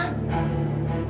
dan karena itu semua